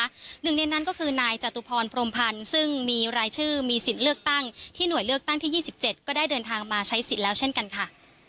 หนึ่งในนั้นก็คือนายจตุพรพรมพันธ์ซึ่งมีรายชื่อมีสิทธิ์เลือกตั้งที่หน่วยเลือกตั้งที่๒๗ก็ได้เดินทางมาใช้สิทธิ์แล้วเช่นกันค่ะ